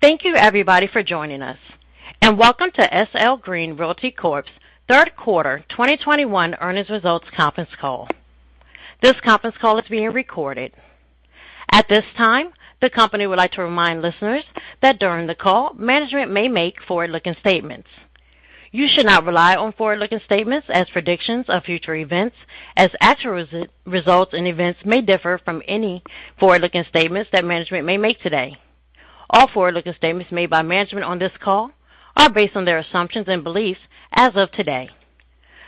Thank you everybody for joining us, and welcome to SL Green Realty Corp.'s third quarter 2021 earnings results conference call. This conference call is being recorded. At this time, the company would like to remind listeners that during the call, management may make forward-looking statements. You should not rely on forward-looking statements as predictions of future events, as actual results and events may differ from any forward-looking statements that management may make today. All forward-looking statements made by management on this call are based on their assumptions and beliefs as of today.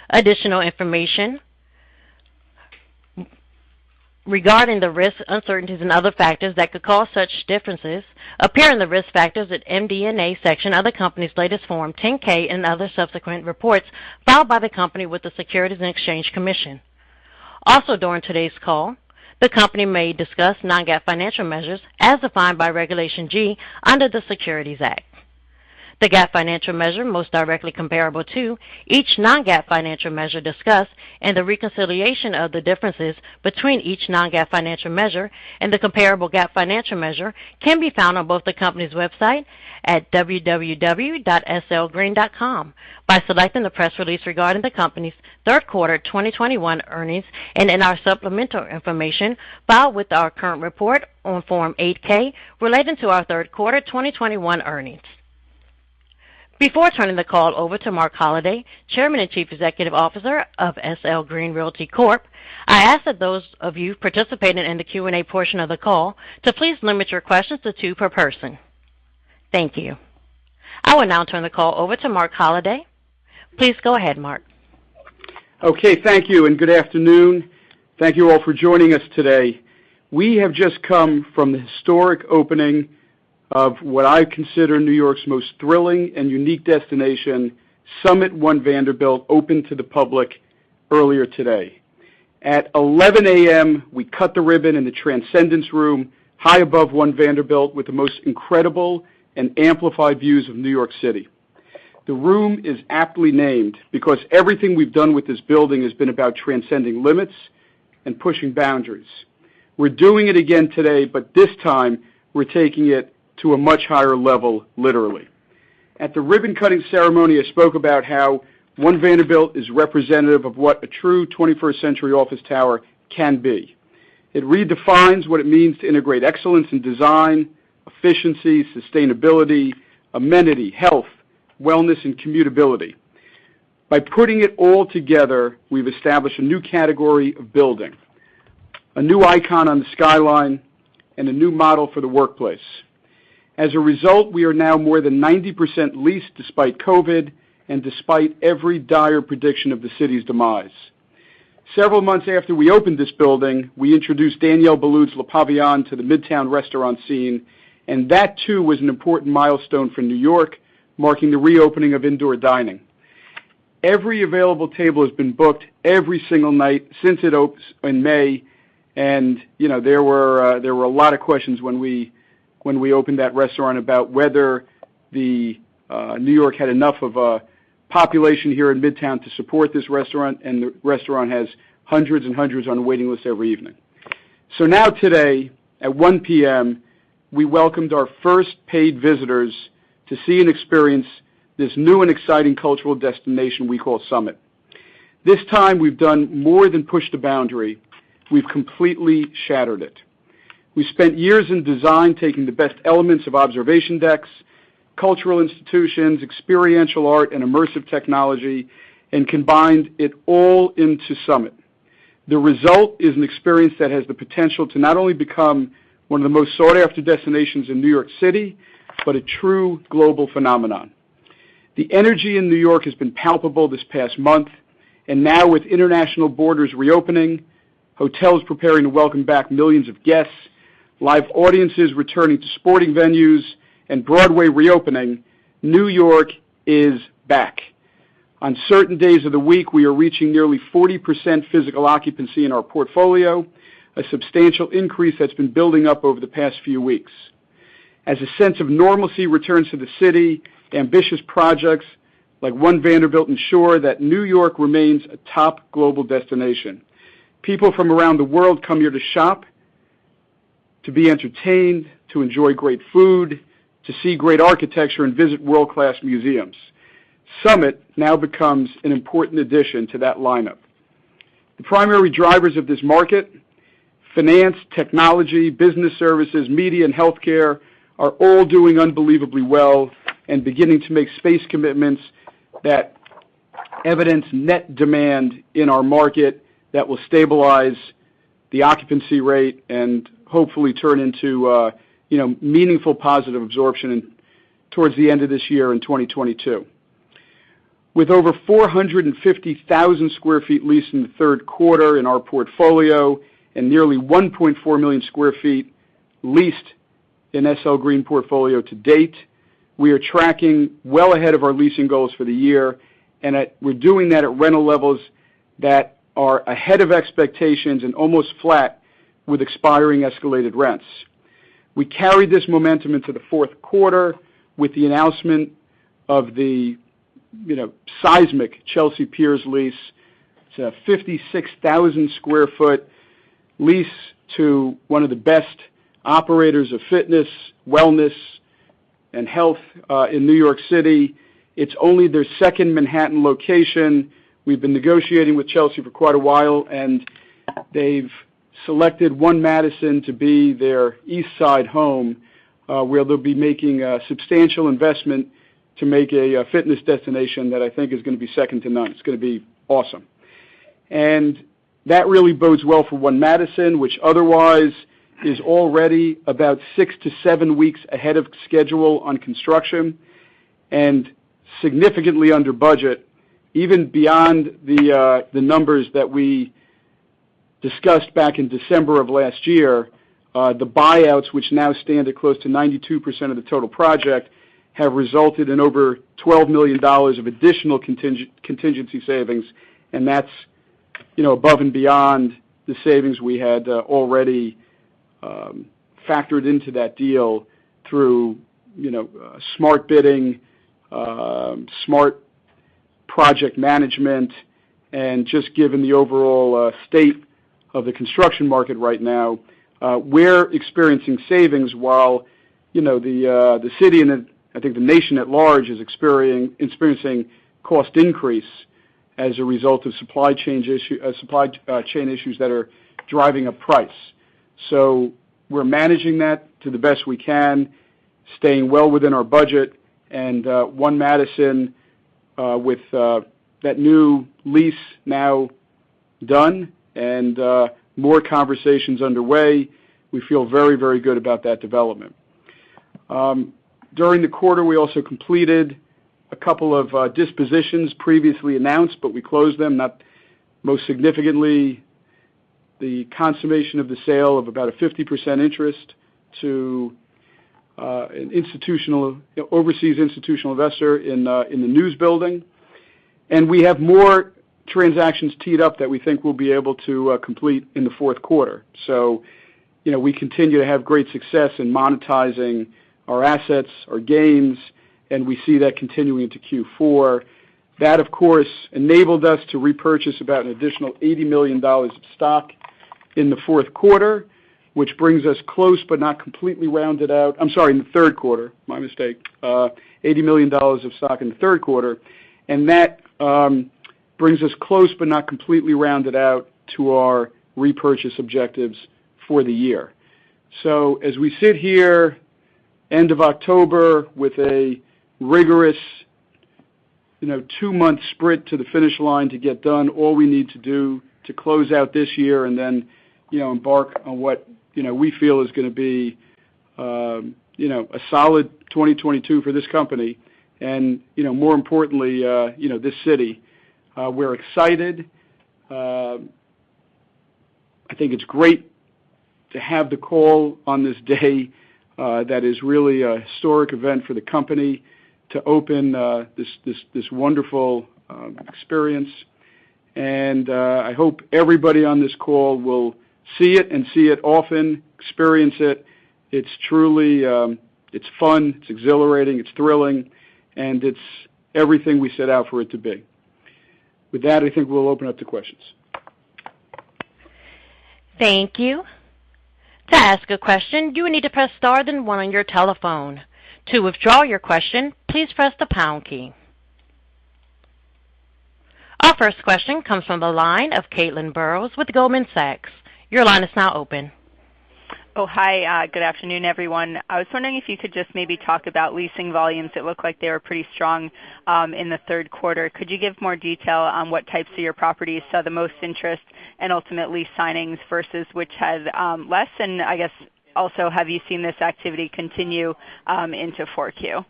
Additional information regarding the risks, uncertainties, and other factors that could cause such differences appear in the Risk Factors at MD&A section of the company's latest Form 10-K and other subsequent reports filed by the company with the Securities and Exchange Commission. During today's call, the company may discuss non-GAAP financial measures as defined by Regulation G under the Securities Act. The GAAP financial measure most directly comparable to each non-GAAP financial measure discussed and the reconciliation of the differences between each non-GAAP financial measure and the comparable GAAP financial measure can be found on both the company's website at www.slgreen.com by selecting the press release regarding the company's third quarter 2021 earnings and in our supplemental information filed with our current report on Form 8-K relating to our third quarter 2021 earnings. Before turning the call over to Marc Holliday, Chairman and Chief Executive Officer of SL Green Realty Corp., I ask that those of you participating in the Q&A portion of the call to please limit your questions to two per person. Thank you. I will now turn the call over to Marc Holliday. Please go ahead, Marc. Okay. Thank you, and good afternoon. Thank you all for joining us today. We have just come from the historic opening of what I consider New York's most thrilling and unique destination, SUMMIT One Vanderbilt, opened to the public earlier today. At 11:00 A.M., we cut the ribbon in the Transcendence Room, high above One Vanderbilt, with the most incredible and amplified views of New York City. The room is aptly named because everything we've done with this building has been about transcending limits and pushing boundaries. We're doing it again today, this time, we're taking it to a much higher level, literally. At the ribbon cutting ceremony, I spoke about how One Vanderbilt is representative of what a true 21st century office tower can be. It redefines what it means to integrate excellence in design, efficiency, sustainability, amenity, health, wellness, and commutability. By putting it all together, we've established a new category of building, a new icon on the skyline, and a new model for the workplace. As a result, we are now more than 90% leased despite COVID and despite every dire prediction of the city's demise. Several months after we opened this building, we introduced Daniel Boulud's Le Pavillon to the Midtown restaurant scene. That too was an important milestone for New York, marking the reopening of indoor dining. Every available table has been booked every single night since it opened in May. There were a lot of questions when we opened that restaurant about whether New York had enough of a population here in Midtown to support this restaurant. The restaurant has hundreds and hundreds on a waiting list every evening. Now today at 1:00 P.M., we welcomed our first paid visitors to see and experience this new and exciting cultural destination we call SUMMIT. This time, we've done more than push the boundary. We've completely shattered it. We spent years in design, taking the best elements of observation decks, cultural institutions, experiential art, and immersive technology and combined it all into SUMMIT. The result is an experience that has the potential to not only become one of the most sought-after destinations in New York City, but a true global phenomenon. The energy in New York has been palpable this past month, now with international borders reopening, hotels preparing to welcome back millions of guests, live audiences returning to sporting venues, and Broadway reopening, New York is back. On certain days of the week, we are reaching nearly 40% physical occupancy in our portfolio, a substantial increase that's been building up over the past few weeks. As a sense of normalcy returns to the city, ambitious projects like One Vanderbilt ensure that New York remains a top global destination. People from around the world come here to shop, to be entertained, to enjoy great food, to see great architecture, and visit world class museums. SUMMIT now becomes an important addition to that lineup. The primary drivers of this market, finance, technology, business services, media, and healthcare, are all doing unbelievably well and beginning to make space commitments that evidence net demand in our market that will stabilize the occupancy rate and hopefully turn into meaningful positive absorption towards the end of this year and 2022. With over 450,000 sq ft leased in Q3 in our portfolio and nearly 1.4 million sq ft leased in SL Green portfolio to date, we are tracking well ahead of our leasing goals for the year. We're doing that at rental levels that are ahead of expectations and almost flat with expiring escalated rents. We carry this momentum into Q4 with the announcement of the seismic Chelsea Piers lease. It's a 56,000 sq ft lease to one of the best operators of fitness, wellness, and health in New York City. It's only their second Manhattan location. We've been negotiating with Chelsea for quite a while. They've selected One Madison to be their East Side home, where they'll be making a substantial investment to make a fitness destination that I think is going to be second to none. It's going to be awesome. That really bodes well for One Madison, which otherwise is already about six to seven weeks ahead of schedule on construction, and significantly under budget, even beyond the numbers that we discussed back in December of last year. The buyouts, which now stand at close to 92% of the total project, have resulted in over $12 million of additional contingency savings, and that's above and beyond the savings we had already factored into that deal through smart bidding, smart project management. Just given the overall state of the construction market right now, we're experiencing savings while the city and, I think, the nation at large is experiencing cost increase as a result of supply chain issues that are driving up price. We're managing that to the best we can, staying well within our budget, and One Madison, with that new lease now done and more conversations underway, we feel very good about that development. During the quarter, we also completed a couple of dispositions previously announced, but we closed them. Most significantly, the consummation of the sale of about a 50% interest to an overseas institutional investor in the News Building. We have more transactions teed up that we think we'll be able to complete in the fourth quarter. We continue to have great success in monetizing our assets, our gains, and we see that continuing into Q4. That, of course, enabled us to repurchase about an additional $80 million of stock in the fourth quarter, which brings us close, but not completely rounded out. I'm sorry, in the third quarter. My mistake. $80 million of stock in the third quarter. That brings us close but not completely rounded out to our repurchase objectives for the year. As we sit here, end of October, with a rigorous two-month sprint to the finish line to get done all we need to do to close out this year and then embark on what we feel is going to be a solid 2022 for this company and more importantly, this city. We're excited. I think it's great to have the call on this day. That is really a historic event for the company to open this wonderful experience. I hope everybody on this call will see it and see it often, experience it. It's fun. It's exhilarating. It's thrilling, and it's everything we set out for it to be. With that, I think we'll open up to questions. Thank you. To ask a question you will need to press star then one on your telephone. To withdraw your question please press the pound key. Our first question comes from the line of Caitlin Burrows with Goldman Sachs. Your line is now open. Oh, hi. Good afternoon, everyone. I was wondering if you could just maybe talk about leasing volumes. It looked like they were pretty strong in the third quarter. Could you give more detail on what types of your properties saw the most interest and ultimate lease signings, versus which had less? I guess also, have you seen this activity continue into 4Q?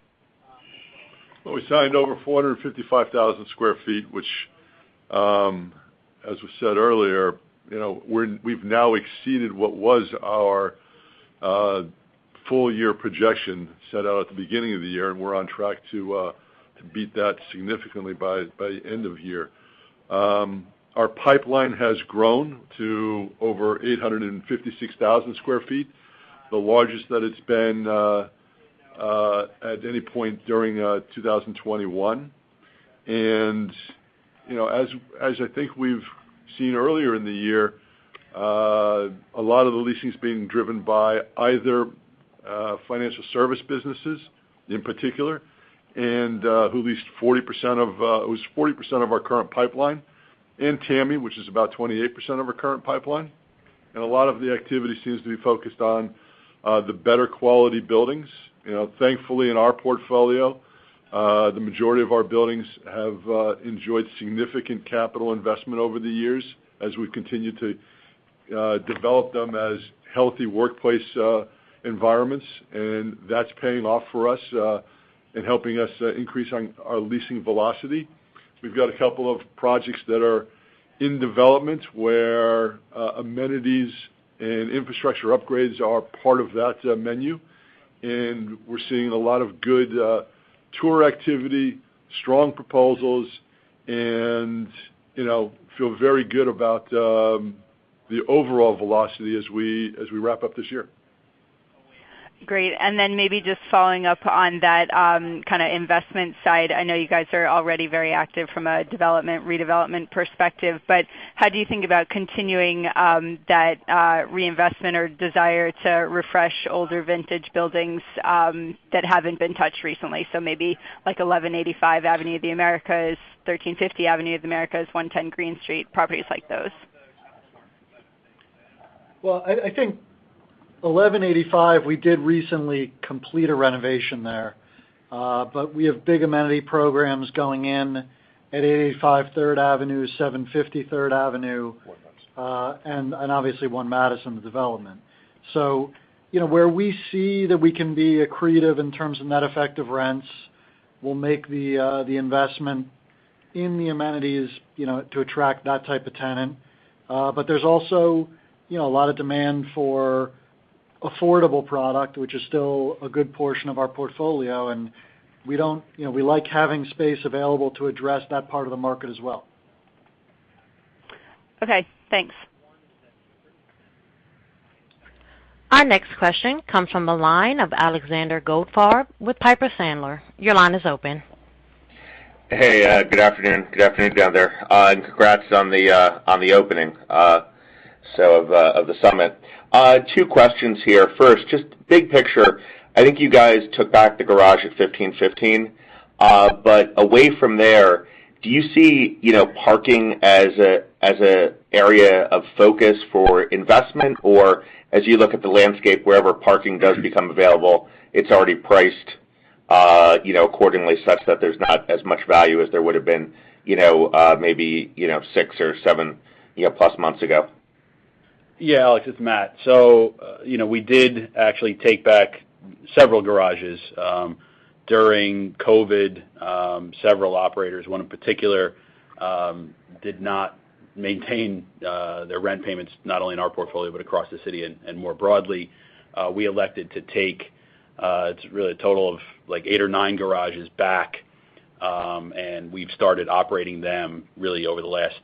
Well, we signed over 455,000 sq ft, which, as we said earlier, we've now exceeded what was our full year projection set out at the beginning of the year, and we're on track to beat that significantly by end of year. Our pipeline has grown to over 856,000 sq ft, the largest that it's been at any point during 2021. As I think we've seen earlier in the year, a lot of the leasing is being driven by either financial service businesses in particular, who leased 40% of our current pipeline, and TAMI, which is about 28% of our current pipeline. A lot of the activity seems to be focused on the better quality buildings. Thankfully, in our portfolio, the majority of our buildings have enjoyed significant capital investment over the years as we continue to develop them as healthy workplace environments. That's paying off for us in helping us increase our leasing velocity. We've got a couple of projects that are in development where amenities and infrastructure upgrades are part of that menu. We're seeing a lot of good tour activity, strong proposals, and feel very good about the overall velocity as we wrap up this year. Great. Maybe just following up on that investment side, I know you guys are already very active from a development, redevelopment perspective, how do you think about continuing that reinvestment or desire to refresh older vintage buildings that haven't been touched recently? Maybe like 1185 Avenue of the Americas, 1350 Avenue of the Americas, 110 Greene Street, properties like those. Well, I think 1185, we did recently complete a renovation there. We have big amenity programs going in at 885 Third Avenue, 750 Third Avenue. Obviously One Madison, the development. Where we see that we can be accretive in terms of net effect of rents, we'll make the investment in the amenities to attract that type of tenant. There's also a lot of demand for affordable product, which is still a good portion of our portfolio, and we like having space available to address that part of the market as well. Okay, thanks. Our next question comes from the line of Alexander Goldfarb with Piper Sandler. Your line is open. Hey, good afternoon. Good afternoon, down there, and congrats on the opening of SUMMIT. Two questions here. First, just big picture, I think you guys took back the garage at 1515. Away from there, do you see parking as a area of focus for investment? As you look at the landscape, wherever parking does become available, it's already priced accordingly such that there's not as much value as there would've been maybe six or seven-plus months ago? Alex, it's Matt. We did actually take back several garages. During COVID, several operators, one in particular, did not maintain their rent payments, not only in our portfolio, but across the city and more broadly. We elected to take, it's really a total of eight or nine garages back, and we've started operating them really over the last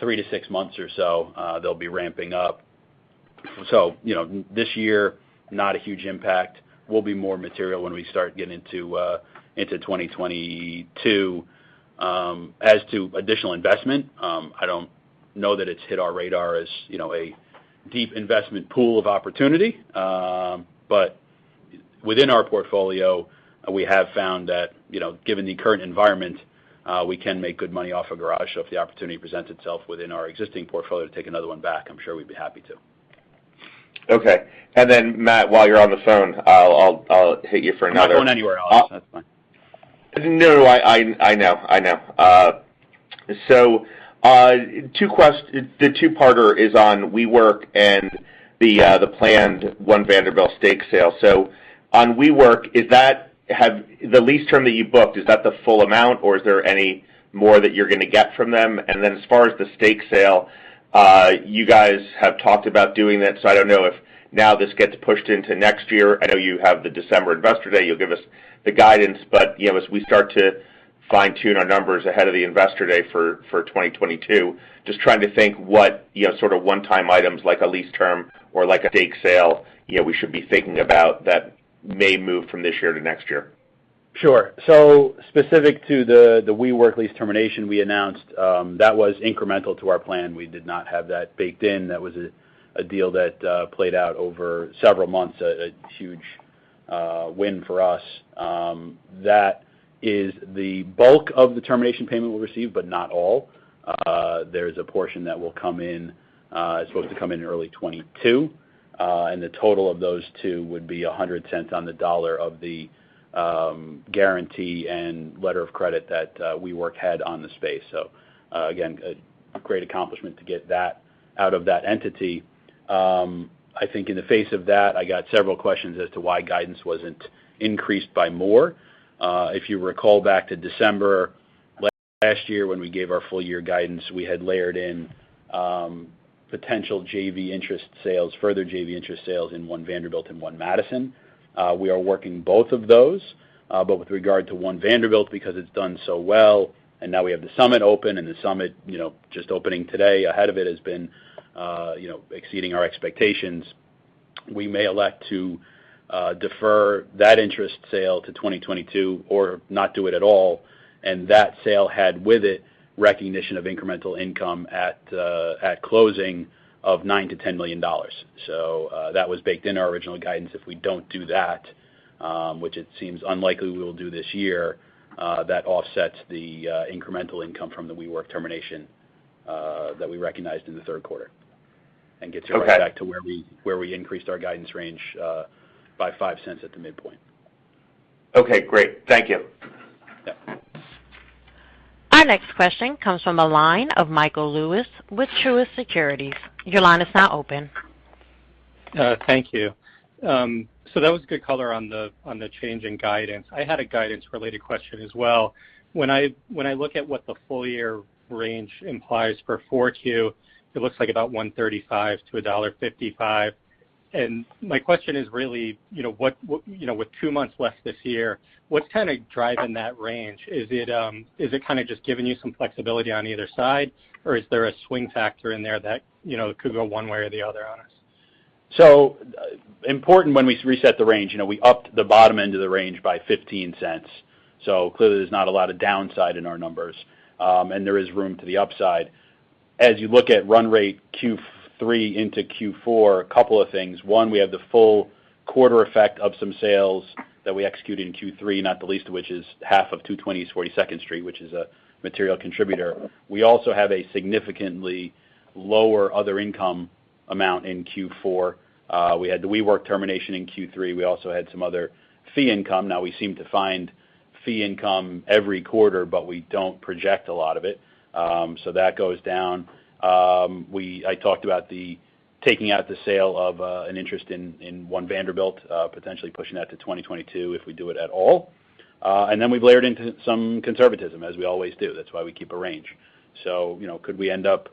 three to six months or so. They'll be ramping up. This year, not a huge impact. We'll be more material when we start getting into 2022. As to additional investment, I don't know that it's hit our radar as a deep investment pool of opportunity. Within our portfolio, we have found that given the current environment, we can make good money off a garage. If the opportunity presents itself within our existing portfolio to take another one back, I'm sure we'd be happy to. Okay. Matt, while you're on the phone, I'll hit you for another- I'm not going anywhere, Alex. That's fine. No, I know. The two-parter is on WeWork and the planned One Vanderbilt stake sale. On WeWork, the lease term that you booked, is that the full amount, or is there any more that you're going to get from them? As far as the stake sale, you guys have talked about doing that, I don't know if now this gets pushed into next year. I know you have the December Investor Day, you'll give us the guidance. As we start to fine-tune our numbers ahead of the Investor Day for 2022, just trying to think what sort of one-time items, like a lease term or like a stake sale, we should be thinking about that may move from this year to next year. Sure. Specific to the WeWork lease termination we announced, that was incremental to our plan. We did not have that baked in. That was a deal that played out over several months, a huge win for us. That is the bulk of the termination payment we'll receive, but not all. There's a portion that is supposed to come in early 2022. The total of those two would be $10.00 of the guarantee and letter of credit that WeWork had on the space. Again, a great accomplishment to get that out of that entity. I think in the face of that, I got several questions as to why guidance wasn't increased by more. If you recall back to December last year when we gave our full year guidance, we had layered in potential JV interest sales, further JV interest sales in One Vanderbilt and One Madison. We are working both of those. With regard to One Vanderbilt, because it's done so well, and now we have SUMMIT open, and SUMMIT, just opening today, ahead of it has been exceeding our expectations. We may elect to defer that interest sale to 2022 or not do it at all. That sale had with it recognition of incremental income at closing of $9 million-$10 million. That was baked in our original guidance. If we don't do that, which it seems unlikely we will do this year, that offsets the incremental income from the WeWork termination that we recognized in the third quarter and gets us. Okay. Right back to where we increased our guidance range by $0.05 at the midpoint. Okay, great. Thank you. Yeah. Our next question comes from the line of Michael Lewis with Truist Securities. Your line is now open. Thank you. That was good color on the change in guidance. I had a guidance-related question as well. When I look at what the full year range implies for 4Q, it looks like about $1.35-$1.55. My question is really, with two months left this year, what's kind of driving that range? Is it kind of just giving you some flexibility on either side, or is there a swing factor in there that could go one way or the other on us? So the important when we reset the range, we upped the bottom end of the range by $0.15. Clearly there's not a lot of downside in our numbers, and there is room to the upside. As you look at run rate Q3 into Q4, a couple of things. One, we have the full quarter effect of some sales that we execute in Q3, not the least of which is half of 220 42nd Street, which is a material contributor. We also have a significantly lower other income amount in Q4. We had the WeWork termination in Q3. We also had some other fee income. Now, we seem to find fee income every quarter, but we don't project a lot of it. That goes down. I talked about the taking out the sale of an interest in One Vanderbilt, potentially pushing that to 2022 if we do it at all. We've layered into some conservatism, as we always do. That's why we keep a range. Could we end up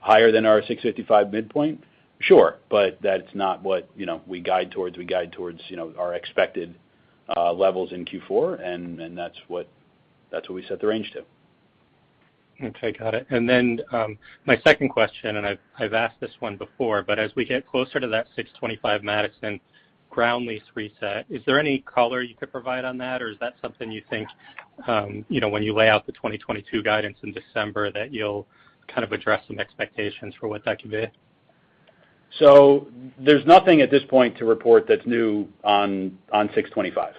higher than our $655 midpoint? Sure. That's not what we guide towards. We guide towards our expected levels in Q4, and that's what we set the range to. Okay, got it. My second question, and I've asked this one before, but as we get closer to that 625 Madison ground lease reset, is there any color you could provide on that? Is that something you think, when you lay out the 2022 guidance in December, that you'll kind of address some expectations for what that could be? There's nothing at this point to report that's new on 625.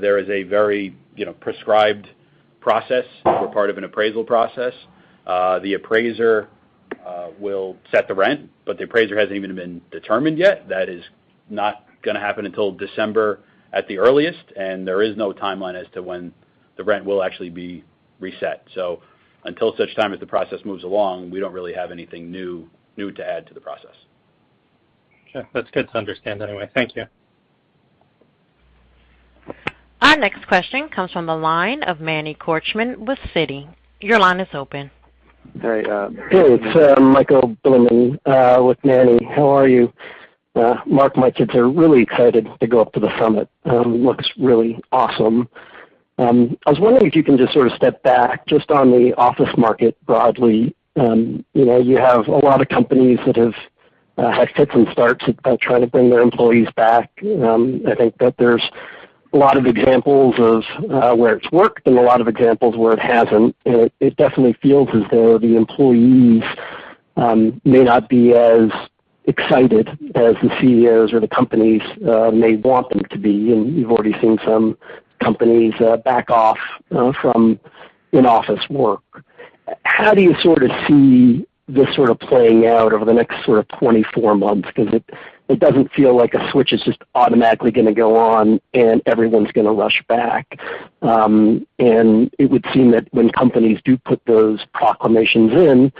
There is a very prescribed process. We're part of an appraisal process. The appraiser will set the rent, the appraiser hasn't even been determined yet. That is not going to happen until December at the earliest, there is no timeline as to when the rent will actually be reset. Until such time as the process moves along, we don't really have anything new to add to the process. Sure. That's good to understand anyway. Thank you. Our next question comes from the line of [Manny Korchman] with Citi. Your line is open. Hey, it's Michael Bilerman with [Manny] How are you? Marc, my kids are really excited to go up to the SUMMIT. Looks really awesome. I was wondering if you can step back on the office market broadly. You have a lot of companies that have had fits and starts at trying to bring their employees back. I think that there's a lot of examples of where it's worked and a lot of examples where it hasn't. It definitely feels as though the employees may not be as excited as the CEOs or the companies may want them to be, and you've already seen some companies back off from in-office work. How do you see this playing out over the next 24 months? Because it doesn't feel like a switch is just automatically going to go on and everyone's going to rush back. It would seem that when companies do put those proclamations in,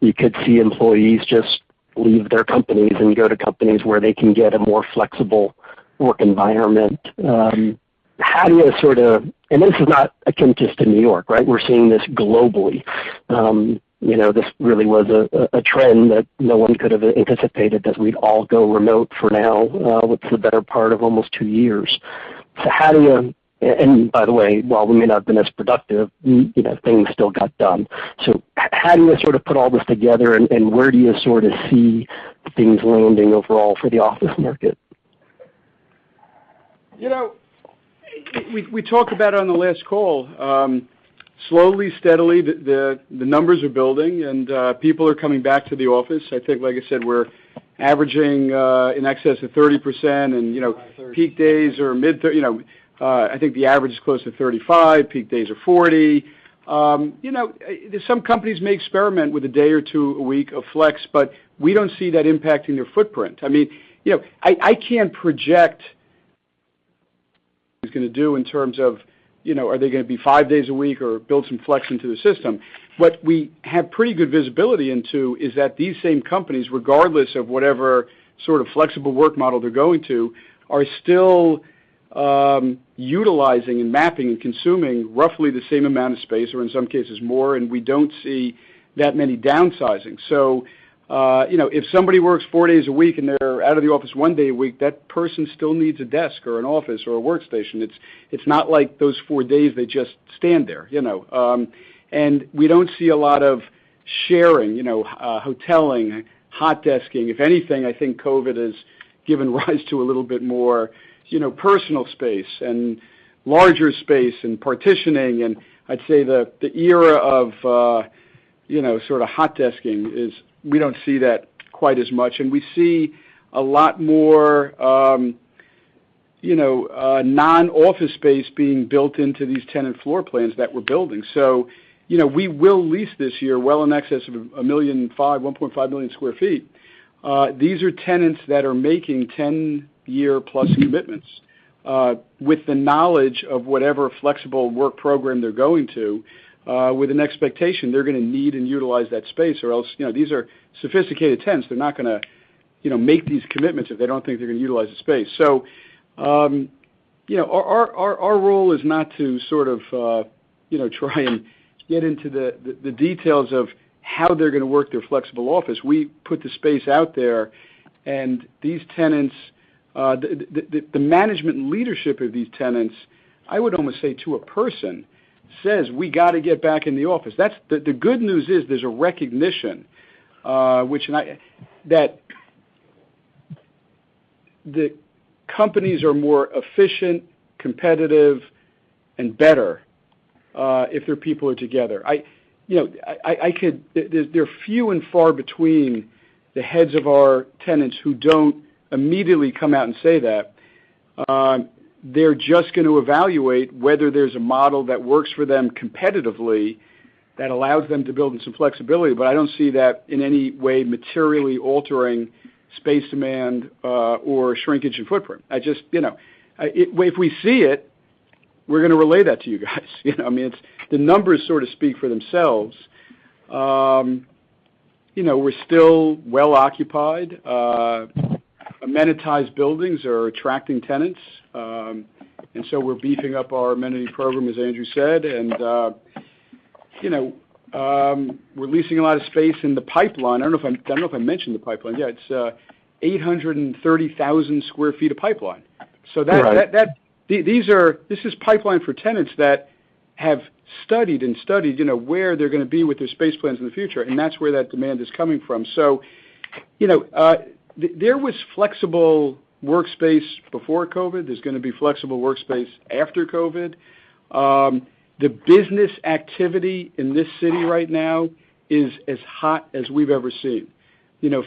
you could see employees just leave their companies and go to companies where they can get a more flexible work environment. This is not akin just to New York, right? We're seeing this globally. This really was a trend that no one could have anticipated, that we'd all go remote for now, what's the better part of almost two years? By the way, while we may not have been as productive, things still got done. How do you sort of put all this together and where do you sort of see things landing overall for the office market? We talked about on the last call, slowly, steadily, the numbers are building and people are coming back to the office. I think, like I said, we're averaging in excess of 30%, and peak days are I think the average is close to 35, peak days are 40. Some companies may experiment with a day or two a week of flex, but we don't see that impacting their footprint. I can't project what it's going to do in terms of, are they going to be five days a week or build some flex into the system? What we have pretty good visibility into is that these same companies, regardless of whatever sort of flexible work model they're going to, are still utilizing and mapping and consuming roughly the same amount of space, or in some cases more, and we don't see that many downsizing. If somebody works four days a week and they're out of the office one day a week, that person still needs a desk or an office or a workstation. It's not like those four days, they just stand there. We don't see a lot of sharing, hoteling, hot-desking. If anything, I think COVID has given rise to a little bit more personal space and larger space and partitioning, and I'd say the era of sort of hot-desking is we don't see that quite as much, and we see a lot more non-office space being built into these tenant floor plans that we're building. We will lease this year well in excess of 1.5 million sq ft. These are tenants that are making 10-year plus commitments with the knowledge of whatever flexible work program they're going to with an expectation they're going to need and utilize that space or else these are sophisticated tenants. They're not going to make these commitments if they don't think they're going to utilize the space. Our role is not to sort of try and get into the details of how they're going to work their flexible office. We put the space out there, and these tenants. The management and leadership of these tenants, I would almost say to a person says, "We got to get back in the office." The good news is there's a recognition that the companies are more efficient, competitive, and better if their people are together. They're few and far between the heads of our tenants who don't immediately come out and say that. They're just going to evaluate whether there's a model that works for them competitively that allows them to build in some flexibility. I don't see that in any way materially altering space demand or shrinkage in footprint. If we see it, we're going to relay that to you guys. The numbers sort of speak for themselves. We're still well occupied. Amenitized buildings are attracting tenants, and so we're beefing up our amenity program, as Andrew said, and releasing a lot of space in the pipeline. I don't know if I mentioned the pipeline. Yeah, it's 830,000 sq ft of pipeline. Right. This is pipeline for tenants that have studied where they're going to be with their space plans in the future, and that's where that demand is coming from. There was flexible workspace before COVID, there's going to be flexible workspace after COVID. The business activity in this city right now is as hot as we've ever seen.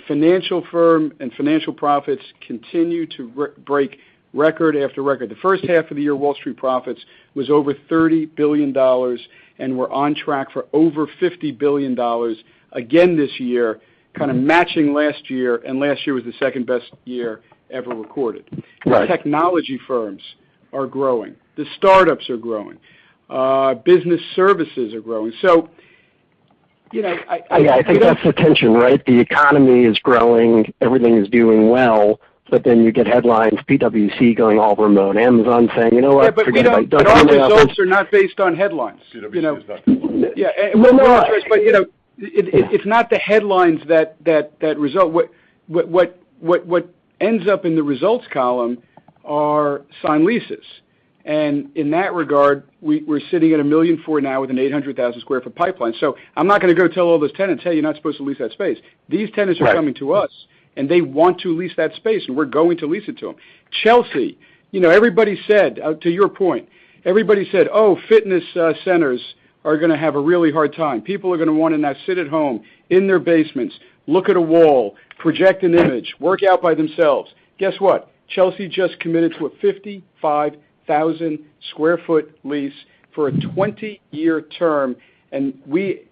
Financial firm and financial profits continue to break record after record. The first half of the year, Wall Street profits was over $30 billion, and we're on track for over $50 billion again this year, kind of matching last year, and last year was the second-best year ever recorded. Right. The technology firms are growing. The startups are growing. Business services are growing. Yeah. I think that's the tension, right? The economy is growing. Everything is doing well. You get headlines, PwC going all remote. Amazon saying, "You know what? Forget about going to the office. Yeah. Our results are not based on headlines. PwC is not going. Well, no. It's not the headlines that result. What ends up in the results column are signed leases. In that regard, we're sitting at 1,000,004 now with an 800,000 sq ft pipeline. I'm not going to go tell all those tenants, "Hey, you're not supposed to lease that space." These tenants are- Right. Coming to us, and they want to lease that space, and we're going to lease it to them. Chelsea. To your point, everybody said, "Oh, fitness centers are going to have a really hard time. People are going to want to now sit at home in their basements, look at a wall, project an image, work out by themselves." Guess what? Chelsea just committed to a 55,000 sq ft lease for a 20-year term. We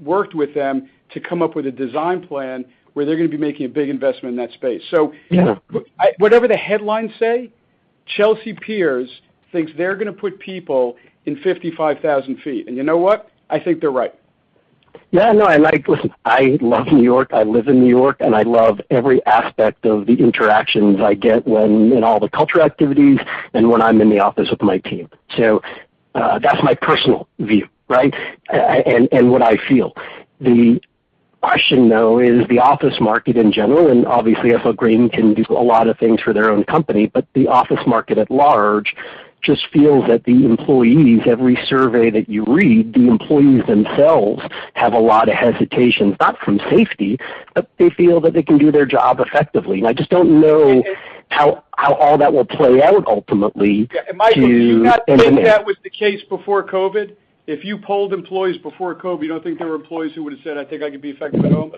worked with them to come up with a design plan where they're going to be making a big investment in that space. Yeah. Whatever the headlines say, Chelsea Piers thinks they're going to put people in 55,000 ft. You know what? I think they're right. Yeah. No, listen, I love New York. I live in New York, and I love every aspect of the interactions I get in all the culture activities and when I'm in the office with my team. That's my personal view, right? What I feel. The question, though, is the office market in general, and obviously SL Green can do a lot of things for their own company, but the office market at large just feels that the employees, every survey that you read, the employees themselves have a lot of hesitations. Not from safety, but they feel that they can do their job effectively. I just don't know how all that will play out ultimately. Yeah. Do you not think that was the case before COVID? If you polled employees before COVID, you don't think there were employees who would've said, "I think I could be effective at home."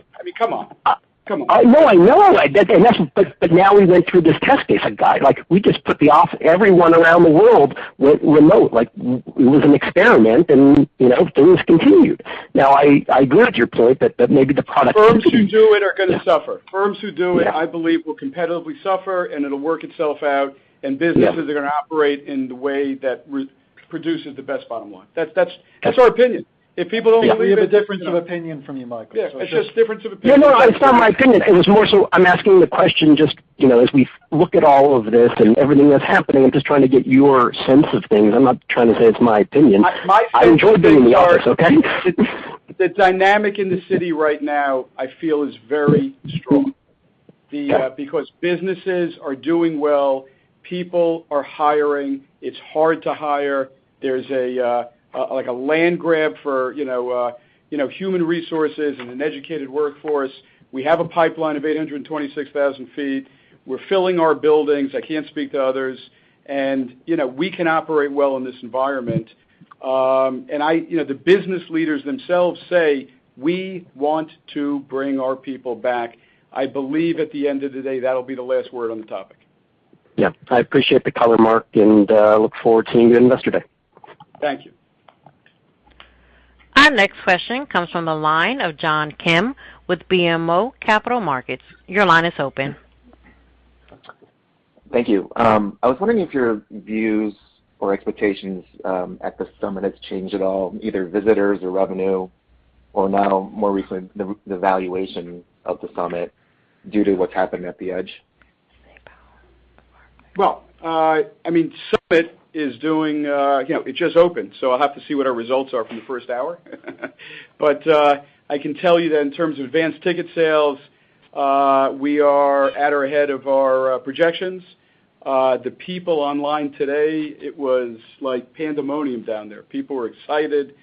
I mean, come on. No, I know. Now we went through this test case. Like, we just put everyone around the world remote. It was an experiment, and things continued. I agree with your point that maybe the product. Firms who do it are going to suffer. Firms who do it, I believe, will competitively suffer, and it'll work itself out. Yeah. Businesses are going to operate in the way that produces the best bottom line. That's our opinion. If people don't agree with it. We have a difference of opinion from you, Michael. Yeah. It's just difference of opinion. No, no, it's not my opinion. I'm asking the question just as we look at all of this and everything that's happening, I'm just trying to get your sense of things. I'm not trying to say it's my opinion. My sense of things are. I enjoy being in the office, okay? The dynamic in the city right now, I feel is very strong. Yeah. Businesses are doing well. People are hiring. It's hard to hire. There's like a land grab for human resources and an educated workforce. We have a pipeline of 826,000 ft. We're filling our buildings. I can't speak to others. We can operate well in this environment. The business leaders themselves say, "We want to bring our people back." I believe at the end of the day, that'll be the last word on the topic. Yeah. I appreciate the color, Marc, and look forward to your Investor Day. Thank you. Our next question comes from the line of John Kim with BMO Capital Markets. Your line is open. Thank you. I was wondering if your views or expectations at the SUMMIT has changed at all, either visitors or revenue, or now more recently, the valuation of the SUMMIT due to what's happened at the Edge? SUMMIT just opened, so I'll have to see what our results are from the first hour. I can tell you that in terms of advanced ticket sales, we are at or ahead of our projections. The people online today, it was like pandemonium down there. People were excited.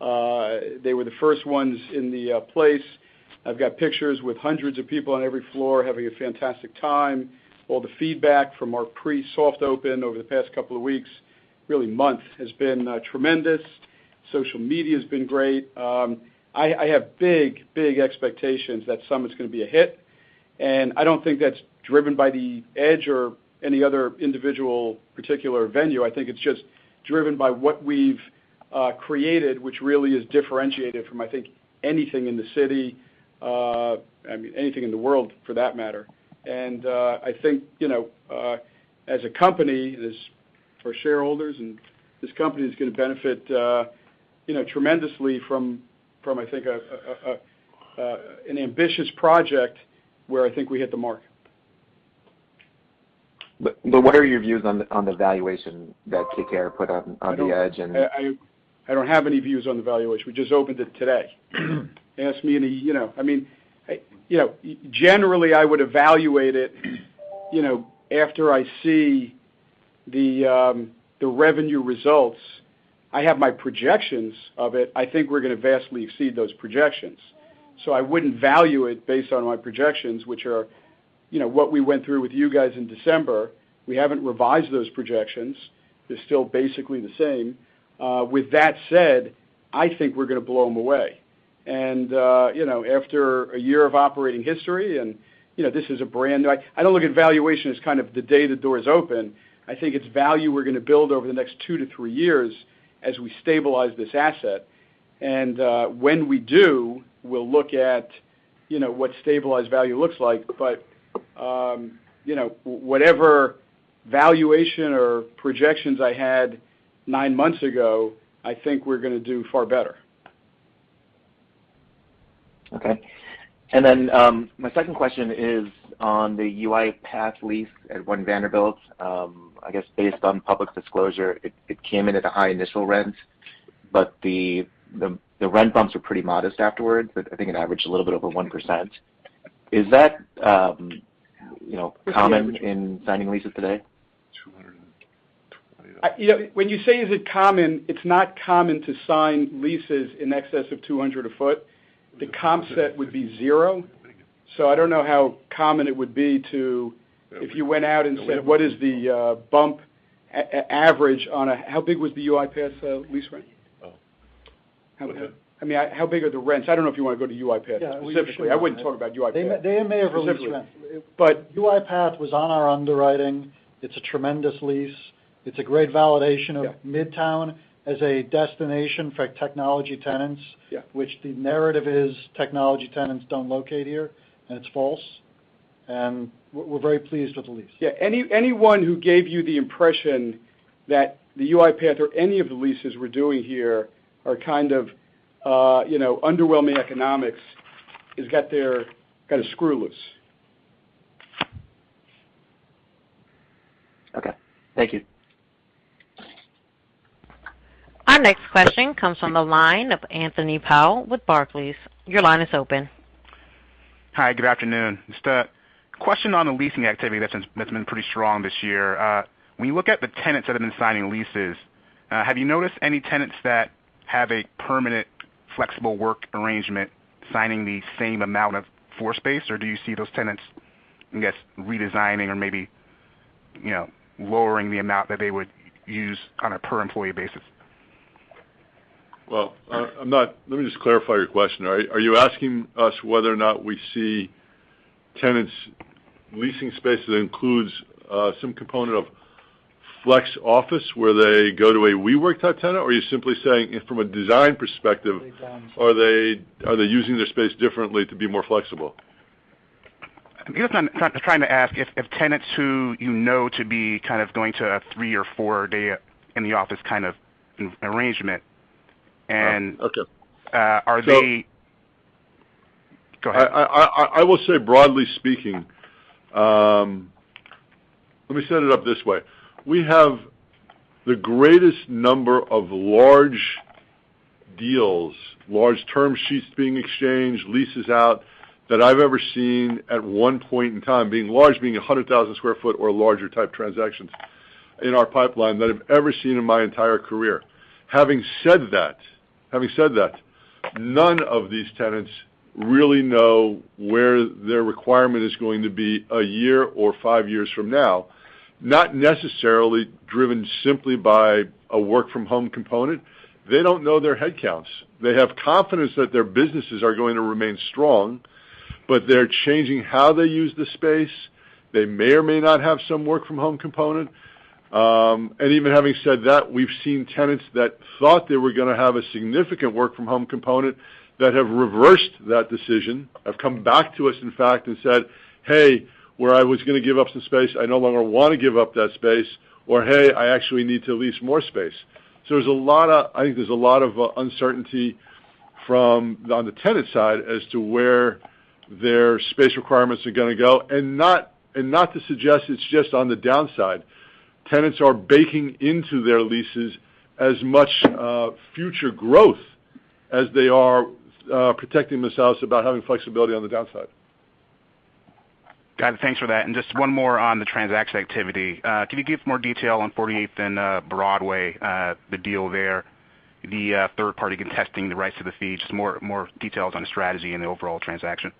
They were the first ones in the place. I've got pictures with hundreds of people on every floor, having a fantastic time. All the feedback from our pre-soft open over the past couple of weeks, really months, has been tremendous. Social media's been great. I have big expectations that SUMMIT's going to be a hit, and I don't think that's driven by Edge or any other individual particular venue. I think it's just driven by what we've created, which really is differentiated from, I think, anything in the city. Anything in the world, for that matter. I think, as a company, our shareholders and this company is going to benefit tremendously from an ambitious project where I think we hit the mark. What are your views on the valuation that KKR put on the Edge? I don't have any views on the valuation. We just opened it today. Generally, I would evaluate it, after I see the revenue results. I have my projections of it. I think we're going to vastly exceed those projections. I wouldn't value it based on my projections, which are what we went through with you guys in December. We haven't revised those projections. They're still basically the same. With that said, I think we're going to blow them away. After a year of operating history, I don't look at valuation as kind of the day the doors open. I think it's value we're going to build over the next two to three years as we stabilize this asset. When we do, we'll look at what stabilized value looks like. Whatever valuation or projections I had nine months ago, I think we're going to do far better. Okay. My second question is on the UiPath lease at One Vanderbilt. I guess based on public disclosure, it came in at a high initial rent, but the rent bumps were pretty modest afterwards. I think it averaged a little bit over 1%. Is that common in signing leases today? When you say, is it common, it's not common to sign leases in excess of $200 a foot. The comp set would be zero. I don't know how common it would be to, if you went out and said, How big was the UiPath lease rent? Oh. Go ahead. How big are the rents? I don't know if you want to go to UiPath specifically. I wouldn't talk about UiPath. They may have released rents. But- UiPath was on our underwriting. It's a tremendous lease. It's a great validation of- Yeah. Midtown as a destination for technology tenants. Yeah. Which the narrative is technology tenants don't locate here, and it's false. We're very pleased with the lease. Yeah. Any anyone who gave you the impression that the UiPath or any of the leases we're doing here are kind of underwhelming economics has got a screw loose. Okay. Thank you. Our next question comes from the line of Anthony Powell with Barclays. Your line is open. Hi, good afternoon. A question on the leasing activity that's been pretty strong this year. When you look at the tenants that have been signing leases, have you noticed any tenants that have a permanent flexible work arrangement signing the same amount of floor space, or do you see those tenants, I guess, redesigning or maybe lowering the amount that they would use on a per employee basis? Well, let me just clarify your question. Are you asking us whether or not we see tenants leasing spaces that includes some component of flex office where they go to a WeWork-type tenant, or are you simply saying it from a design perspective? Design. Are they using their space differently to be more flexible? I guess I'm trying to ask if tenants who you know to be kind of going to a three or four day in the office kind of arrangement. Okay. Are they? Go ahead. I will say, broadly speaking. Let me set it up this way. We have the greatest number of large deals, large term sheets being exchanged, leases out that I've ever seen at one point in time, large being 100,000 sq ft or larger type transactions in our pipeline than I've ever seen in my entire career. Having said that, none of these tenants really know where their requirement is going to be one year or five years from now, not necessarily driven simply by a work from home component. They don't know their headcounts. They have confidence that their businesses are going to remain strong, but they're changing how they use the space. They may or may not have some work from home component. Even having said that, we've seen tenants that thought they were going to have a significant work from home component that have reversed that decision, have come back to us, in fact, and said, "Hey, where I was going to give up some space, I no longer want to give up that space," or, "Hey, I actually need to lease more space." I think there's a lot of uncertainty. From on the tenant side as to where their space requirements are going to go, and not to suggest it's just on the downside. Tenants are baking into their leases as much future growth as they are protecting themselves about having flexibility on the downside. Got it. Thanks for that. Just one more on the transaction activity. Can you give more detail on 48th and Broadway, the deal there, the third party contesting the rights to the fee, just more details on the strategy and the overall transaction?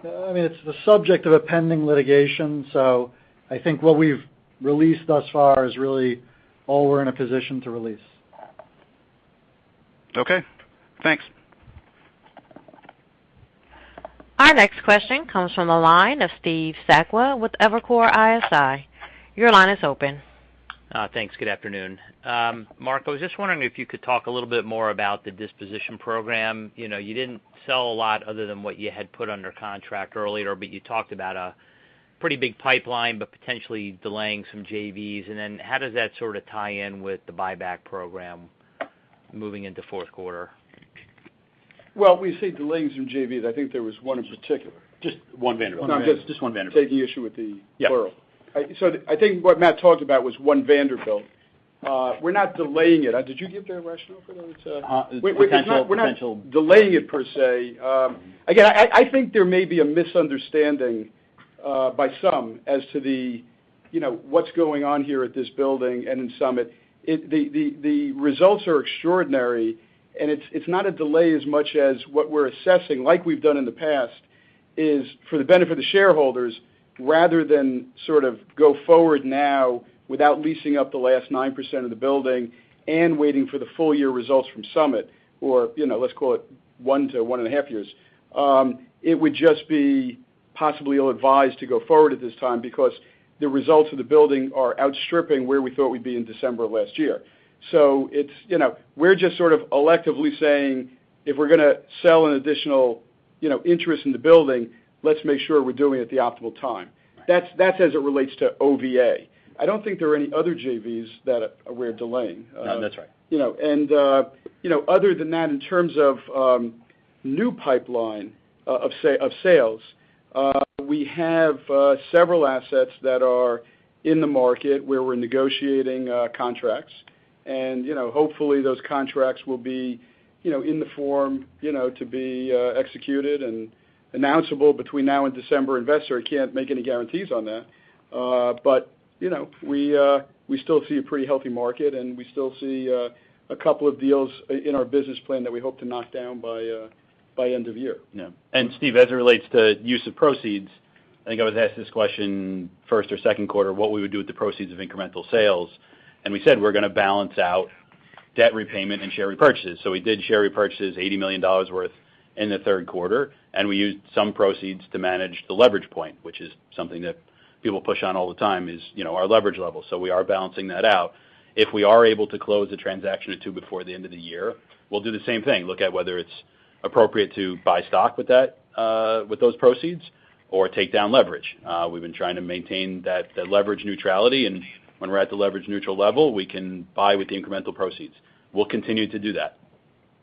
I mean, it's the subject of a pending litigation, so I think what we've released thus far is really all we're in a position to release. Okay, thanks. Our next question comes from the line of Steve Sakwa with Evercore ISI. Your line is open. Thanks. Good afternoon. Marc, I was just wondering if you could talk a little bit more about the disposition program? You didn't sell a lot other than what you had put under contract earlier, but you talked about a pretty big pipeline, but potentially delaying some JVs. How does that sort of tie in with the buyback program moving into fourth quarter? Well, when you say delaying some JVs, I think there was one in particular. Just One Vanderbilt. No, I'm just- Just One Vanderbilt. Taking issue with. Yeah. Plural. I think what Matt talked about was One Vanderbilt. We're not delaying it. Did you give the rationale for that? Potential- We're not delaying it per se. Again, I think there may be a misunderstanding by some as to what's going on here at this building and in SUMMIT. The results are extraordinary, and it's not a delay as much as what we're assessing, like we've done in the past, is for the benefit of the shareholders, rather than sort of go forward now without leasing up the last 9% of the building and waiting for the full year results from SUMMIT, or let's call it one to one and a half years. It would just be possibly ill-advised to go forward at this time because the results of the building are outstripping where we thought we'd be in December of last year. We're just sort of electively saying, if we're going to sell an additional interest in the building, let's make sure we're doing it at the optimal time. That's as it relates to OVA. I don't think there are any other JVs that we're delaying. No, that's right. Other than that, in terms of new pipeline of sales, we have several assets that are in the market where we're negotiating contracts, and hopefully those contracts will be in the form to be executed and announceable between now and December investor. Can't make any guarantees on that. We still see a pretty healthy market, and we still see a couple of deals in our business plan that we hope to knock down by end of year. Yeah. Steve, as it relates to use of proceeds, I think I was asked this question first or second quarter, what we would do with the proceeds of incremental sales, and we said we're going to balance out debt repayment and share repurchases. We did share repurchases $80 million worth in the third quarter, and we used some proceeds to manage the leverage point, which is something that people push on all the time is our leverage level. We are balancing that out. If we are able to close a transaction or two before the end of the year, we'll do the same thing, look at whether it's appropriate to buy stock with those proceeds or take down leverage. We've been trying to maintain that leverage neutrality, and when we're at the leverage neutral level, we can buy with the incremental proceeds. We'll continue to do that.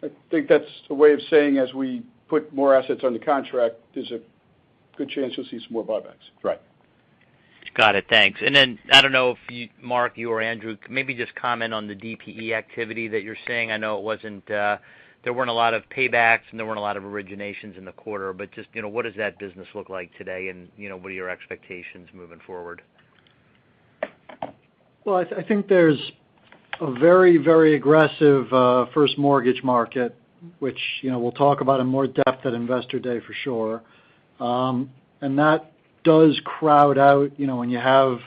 I think that's a way of saying, as we put more assets under contract, there's a good chance you'll see some more buybacks. Right. Got it. Thanks. I don't know if you, Marc, you or Andrew, maybe just comment on the DPE activity that you're seeing. I know there weren't a lot of paybacks and there weren't a lot of originations in the quarter, but just what does that business look like today, and what are your expectations moving forward? Well, I think there's a very aggressive first mortgage market, which we'll talk about in more depth at Investor Day for sure. That does crowd out, when you have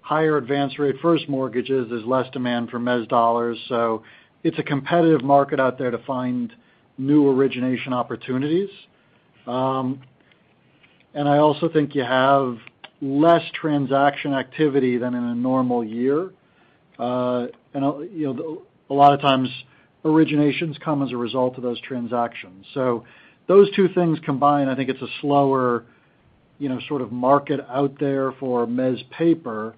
higher advance rate first mortgages, there's less demand for mezz dollars. It's a competitive market out there to find new origination opportunities. I also think you have less transaction activity than in a normal year. A lot of times, originations come as a result of those transactions. Those two things combined, I think it's a slower sort of market out there for mezz paper.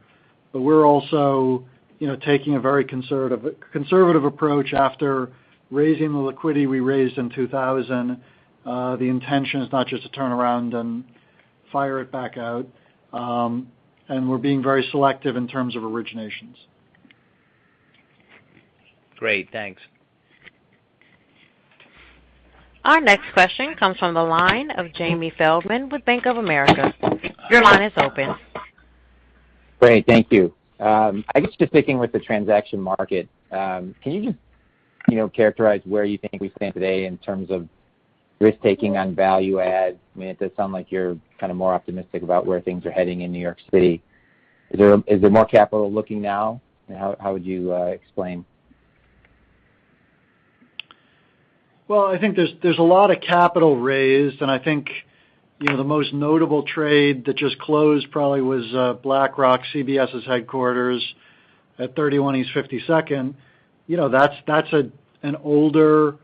We're also taking a very conservative approach after raising the liquidity we raised in 2000. The intention is not just to turn around and fire it back out. We're being very selective in terms of originations. Great. Thanks. Our next question comes from the line of Jamie Feldman with Bank of America. Your line is open. Great. Thank you. I guess just sticking with the transaction market, can you just characterize where you think we stand today in terms of risk-taking on value add? I mean, it does sound like you're kind of more optimistic about where things are heading in New York City. Is there more capital looking now? How would you explain? I think there's a lot of capital raised, and I think the most notable trade that just closed probably was BlackRock, CBS's headquarters at 31 East 52nd. That's an older,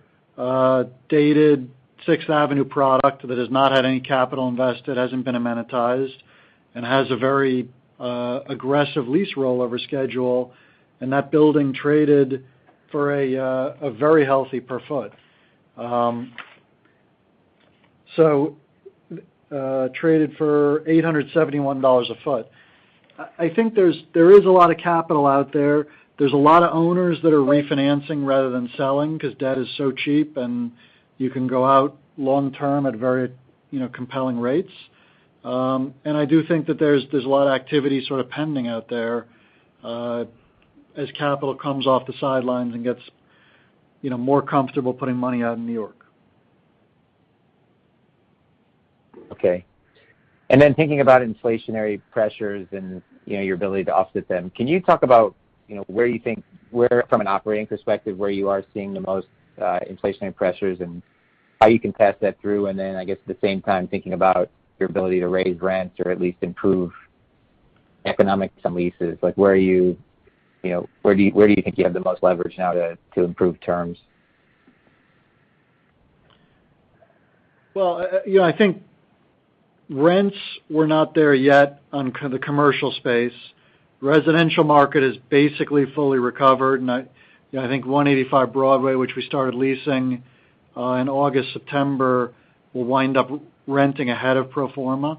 dated Sixth Avenue product that has not had any capital invested, hasn't been amenitized, and has a very aggressive lease rollover schedule. Traded for $871 a foot. I think there is a lot of capital out there. There's a lot of owners that are refinancing rather than selling, because debt is so cheap, and you can go out long-term at very compelling rates. I do think that there's a lot of activity sort of pending out there as capital comes off the sidelines and gets more comfortable putting money out in New York. Okay. Thinking about inflationary pressures and your ability to offset them, can you talk about where from an operating perspective, where you are seeing the most inflationary pressures and how you can pass that through? I guess at the same time, thinking about your ability to raise rents or at least improve economics on leases. Where do you think you have the most leverage now to improve terms? Well, I think rents were not there yet on the commercial space. Residential market is basically fully recovered, and I think 185 Broadway, which we started leasing in August, September, will wind up renting ahead of pro forma.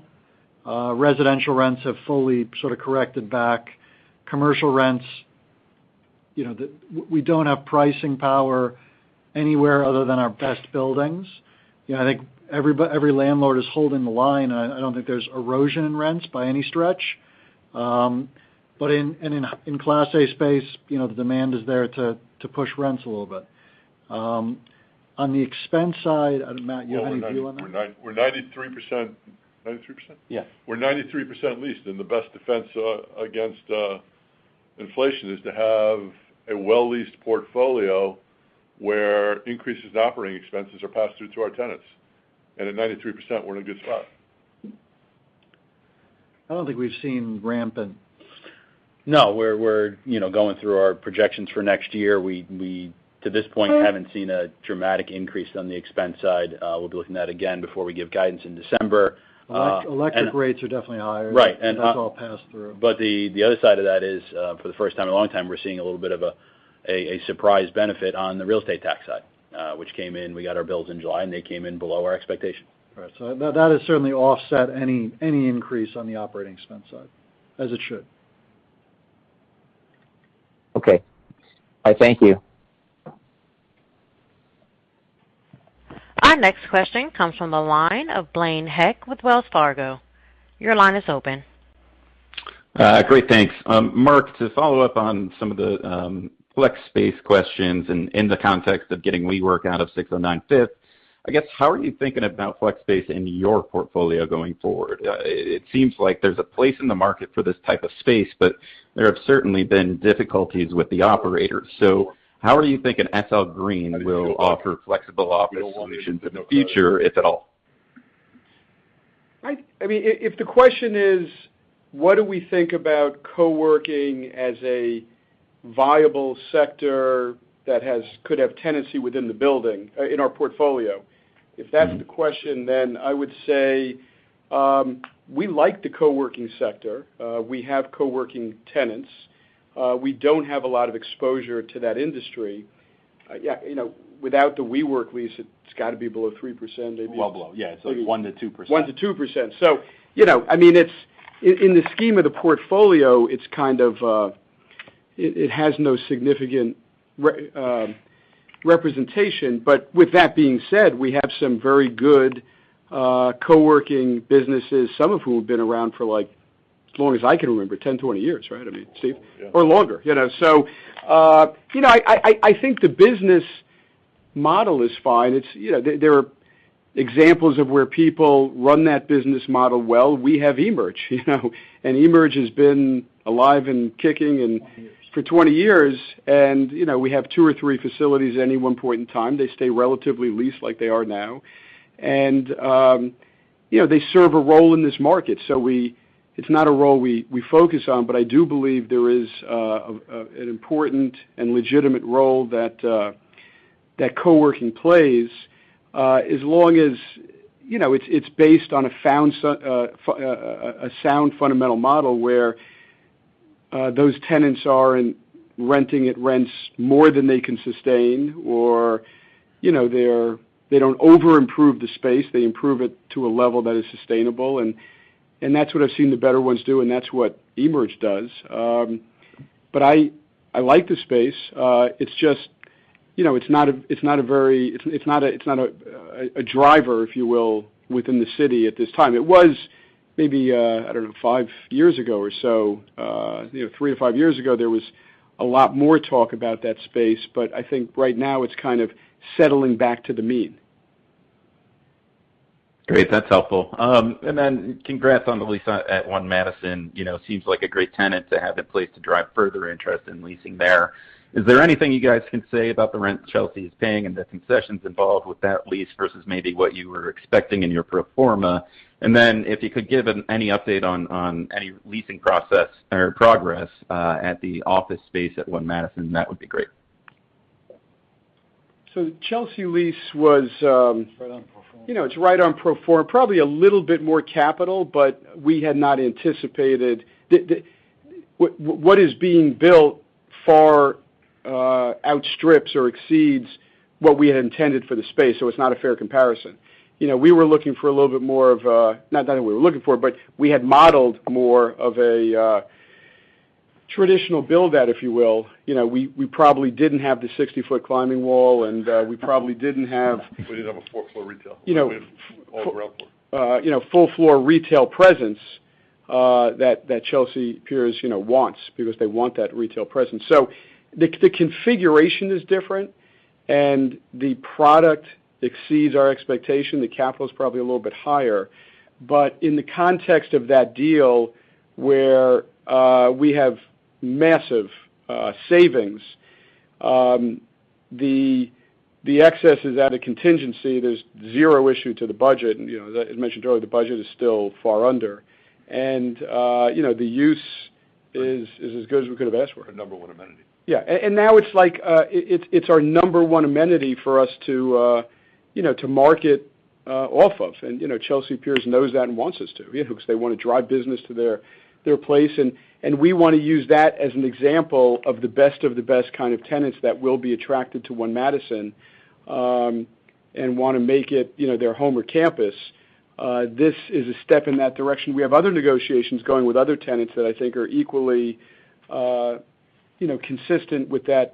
Residential rents have fully sort of corrected back. Commercial rents, we don't have pricing power anywhere other than our best buildings. I think every landlord is holding the line. I don't think there's erosion in rents by any stretch. In Class A space, the demand is there to push rents a little bit. On the expense side, Matt, you have any view on that? We're 93%, 93%? Yes. We're 93% leased, and the best defense against inflation is to have a well-leased portfolio where increases in operating expenses are passed through to our tenants. At 93%, we're in a good spot. I don't think we've seen rampant. No, we're going through our projections for next year. We, to this point, haven't seen a dramatic increase on the expense side. We'll be looking at that again before we give guidance in December. Electric rates are definitely higher. Right. That's all passed through. The other side of that is, for the first time in a long time, we're seeing a little bit of a surprise benefit on the real estate tax side, which came in. We got our bills in July, and they came in below our expectation. Right. That has certainly offset any increase on the operating expense side, as it should. Okay. All right, thank you. Our next question comes from the line of Blaine Heck with Wells Fargo. Your line is open. Great, thanks. Marc, to follow up on some of the flex space questions in the context of getting WeWork out of 609 Fifth, I guess how are you thinking about flex space in your portfolio going forward? It seems like there's a place in the market for this type of space, but there have certainly been difficulties with the operators. How are you thinking SL Green will offer flexible office solutions in the future, if at all? If the question is, what do we think about co-working as a viable sector that could have tenancy within the building, in our portfolio? If that's the question, then I would say we like the co-working sector. We have co-working tenants. We don't have a lot of exposure to that industry. Without the WeWork lease, it's got to be below 3%. Well below, yeah. It's like 1%-2%. 1%-2%. In the scheme of the portfolio, it has no significant representation. With that being said, we have some very good co-working businesses, some of whom have been around for as long as I can remember, 10, 20 years, right? I mean, Steve? Yeah. Longer. I think the business model is fine. There are examples of where people run that business model well. We have Emerge212. Emerge212 has been alive and kicking. 20 years. For 20 years, and we have two or three facilities at any one point in time. They stay relatively leased like they are now. They serve a role in this market. It's not a role we focus on, but I do believe there is an important and legitimate role that co-working plays, as long as it's based on a sound fundamental model where those tenants aren't renting at rents more than they can sustain or they don't over-improve the space. They improve it to a level that is sustainable, and that's what I've seen the better ones do, and that's what Emerge212 does. I like the space. It's not a driver, if you will, within the city at this time. It was maybe, I don't know, five years ago or so. Three to five years ago, there was a lot more talk about that space. I think right now it's kind of settling back to the mean. Great. That's helpful. Congrats on the lease at One Madison. Seems like a great tenant to have in place to drive further interest in leasing there. Is there anything you guys can say about the rent Chelsea Piers is paying and the concessions involved with that lease versus maybe what you were expecting in your pro forma? If you could give any update on any leasing process or progress at the office space at One Madison, that would be great. Chelsea lease was. It's right on pro forma. it's right on pro forma. Probably a little bit more capital, but we had not anticipated. What is being built far outstrips or exceeds what we had intended for the space. It's not a fair comparison. Not that we were looking for, but we had modeled more of a traditional build-out, if you will. We probably didn't have the 60-foot climbing wall. We probably didn't have- We didn't have a four-floor retail. We have all ground floor. Full-floor retail presence that Chelsea Piers wants, because they want that retail presence. The configuration is different, and the product exceeds our expectation. The capital's probably a little bit higher. In the context of that deal, where we have massive savings, the excess is at a contingency. There's zero issue to the budget. As mentioned earlier, the budget is still far under. The use is as good as we could've asked for. A number one amenity. Yeah. Now it's our number one amenity for us to market off of. Chelsea Piers knows that and wants us to, because they want to drive business to their place. We want to use that as an example of the best of the best kind of tenants that will be attracted to One Madison, and want to make it their home or campus. This is a step in that direction. We have other negotiations going with other tenants that I think are equally consistent with that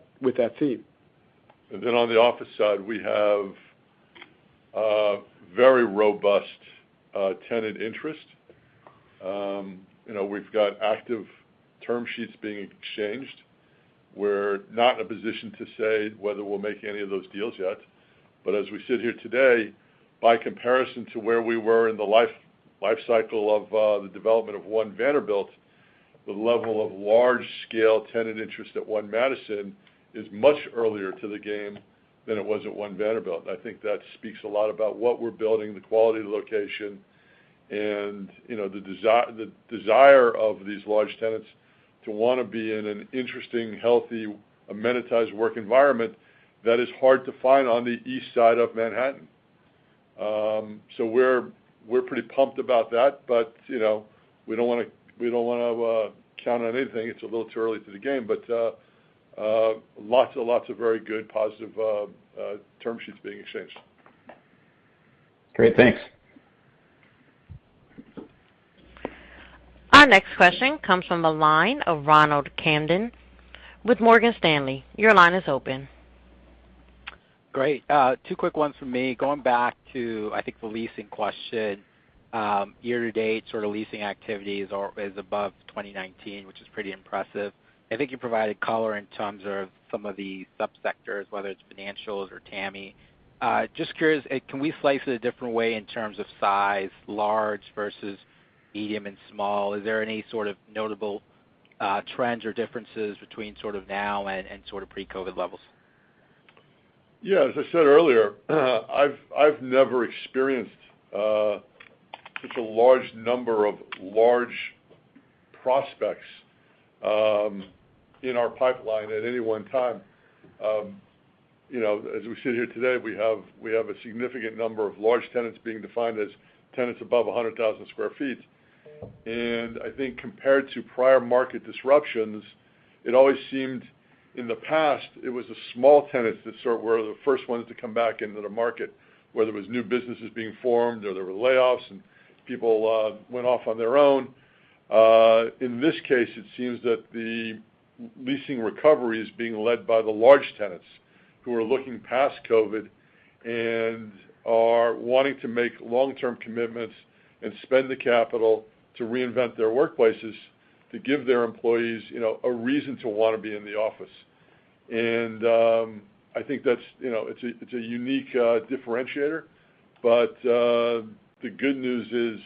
theme. On the office side, we have a very robust tenant interest. We've got active term sheets being exchanged. We're not in a position to say whether we'll make any of those deals yet. As we sit here today, by comparison to where we were in the life cycle of the development of One Vanderbilt, the level of large-scale tenant interest at One Madison is much earlier to the game than it was at One Vanderbilt. I think that speaks a lot about what we're building, the quality of the location, and the desire of these large tenants to want to be in an interesting, healthy, amenitized work environment that is hard to find on the East Side of Manhattan. We're pretty pumped about that, but we don't want to count on anything. It's a little too early to the game, but lots and lots of very good, positive term sheets being exchanged. Great. Thanks. Our next question comes from the line of Ronald Kamdem with Morgan Stanley. Your line is open. Great. Two quick ones from me. Going back to, I think, the leasing question. Year to date, sort of leasing activities is above 2019, which is pretty impressive. I think you provided color in terms of some of the sub-sectors, whether it's financials or TAMI. Just curious, can we slice it a different way in terms of size, large versus medium and small? Is there any sort of notable trends or differences between sort of now and sort of pre-COVID levels? Yeah. As I said earlier, I've never experienced such a large number of large prospects in our pipeline at any one time. As we sit here today, we have a significant number of large tenants being defined as tenants above 100,000 sq ft. I think compared to prior market disruptions, it always seemed, in the past, it was the small tenants that sort were the first ones to come back into the market, whether it was new businesses being formed or there were layoffs and people went off on their own. In this case, it seems that the leasing recovery is being led by the large tenants who are looking past COVID and are wanting to make long-term commitments and spend the capital to reinvent their workplaces to give their employees a reason to want to be in the office. I think it's a unique differentiator. The good news is,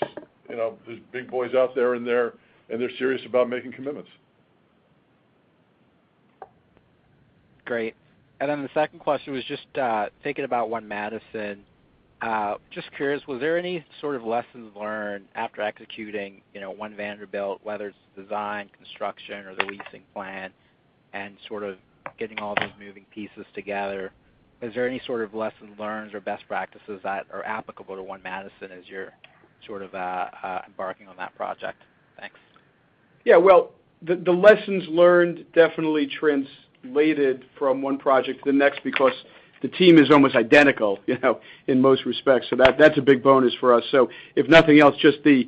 there's big boys out there, and they're serious about making commitments. Great. The second question was just thinking about One Madison. Just curious, was there any sort of lessons learned after executing One Vanderbilt, whether it's the design, construction, or the leasing plan, and sort of getting all those moving pieces together? Is there any sort of lessons learned or best practices that are applicable to One Madison as you're sort of embarking on that project? Thanks. The lessons learned definitely translated from one project to the next because the team is almost identical in most respects. That's a big bonus for us. If nothing else, just the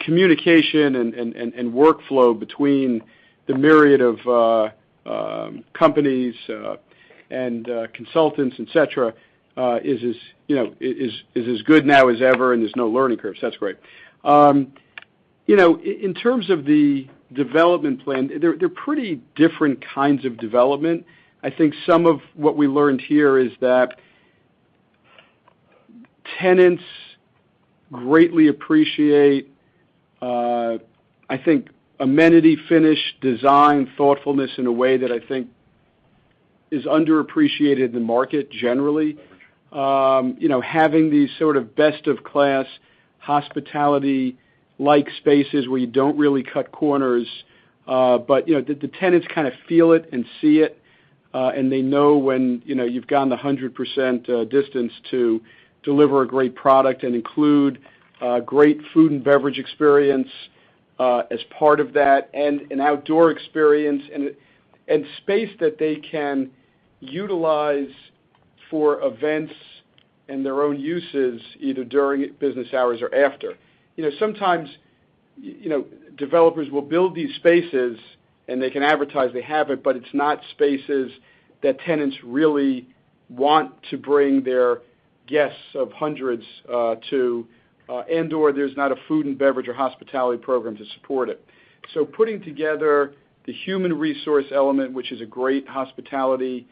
communication and workflow between the myriad of companies and consultants, et cetera, is as good now as ever, and there's no learning curves. That's great. In terms of the development plan, they're pretty different kinds of development. I think some of what we learned here is that tenants greatly appreciate amenity finish, design thoughtfulness in a way that I think is underappreciated in the market generally. Having these sort of best-of-class hospitality-like spaces where you don't really cut corners. The tenants kind of feel it and see it. They know when you've gone the 100% distance to deliver a great product and include a great food and beverage experience as part of that, and an outdoor experience, and space that they can utilize for events and their own uses, either during business hours or after. Sometimes developers will build these spaces, and they can advertise they have it, but it's not spaces that tenants really want to bring their guests of hundreds to, and/or there's not a food and beverage or hospitality program to support it. Putting together the human resource element, which is a great hospitality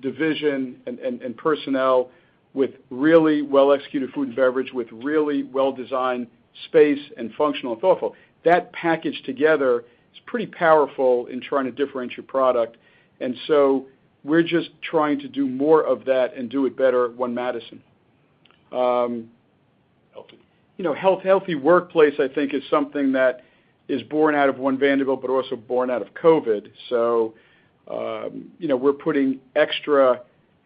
division and personnel, with really well-executed food and beverage, with really well-designed space and functional and thoughtful. That package together is pretty powerful in trying to differentiate your product. We're just trying to do more of that and do it better at One Madison. Healthy. Healthy workplace, I think, is something that is born out of One Vanderbilt, but also born out of COVID. We're putting extra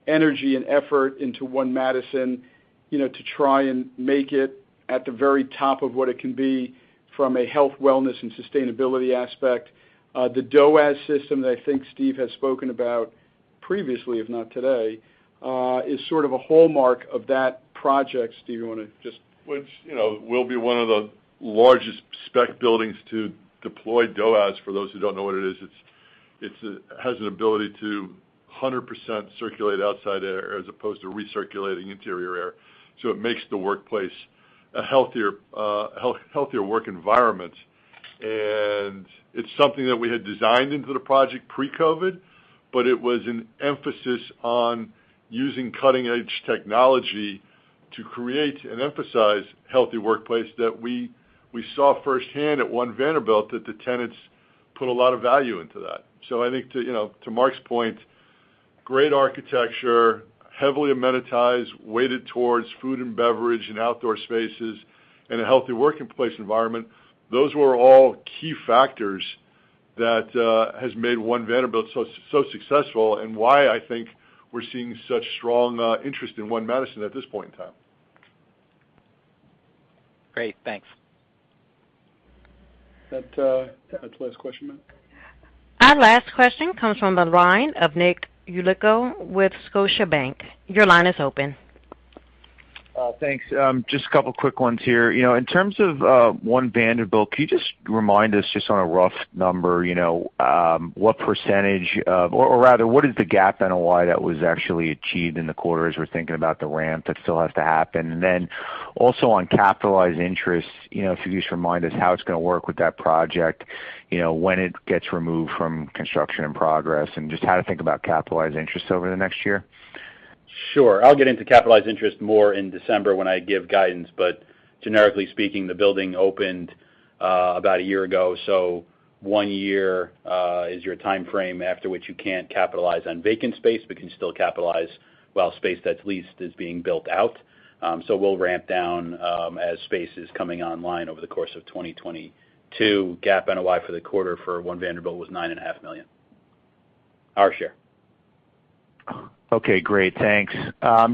energy and effort into One Madison to try and make it at the very top of what it can be from a health, wellness, and sustainability aspect. The DOAS system that I think Steve has spoken about previously, if not today, is sort of a hallmark of that project. Steve, you want to just? Which will be one of the largest spec buildings to deploy DOAS. For those who don't know what it is, it has an ability to 100% circulate outside air as opposed to recirculating interior air. It makes the workplace a healthier work environment. It's something that we had designed into the project pre-COVID, but it was an emphasis on using cutting-edge technology to create and emphasize healthy workplace that we saw firsthand at One Vanderbilt, that the tenants put a lot of value into that. I think to Marc's point, great architecture, heavily amenitized, weighted towards food and beverage and outdoor spaces, and a healthy workplace environment. Those were all key factors that has made One Vanderbilt so successful, and why I think we're seeing such strong interest in One Madison at this point in time. Great, thanks. That's the last question, Matt? Our last question comes from the line of Nick Yulico with Scotiabank. Your line is open. Thanks. Just a couple quick ones here. In terms of One Vanderbilt, can you just remind us just on a rough number, what is the GAAP NOI that was actually achieved in the quarter as we're thinking about the ramp that still has to happen? Then also on capitalized interest, if you could just remind us how it's going to work with that project, when it gets removed from construction in progress, and just how to think about capitalized interest over the next year. Sure. I'll get into capitalized interest more in December when I give guidance, but generically speaking, the building opened about a year ago. One year is your timeframe after which you can't capitalize on vacant space, but you can still capitalize while space that's leased is being built out. We'll ramp down as space is coming online over the course of 2022. GAAP NOI for the quarter for One Vanderbilt was $9.5 million. Our share. Okay, great. Thanks.